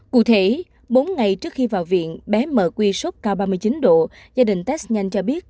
cụ thể bốn ngày trước khi vào viện bé mở quy sốt cao ba mươi chín độ gia đình test nhanh cho biết